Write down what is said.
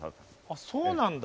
あそうなんだ。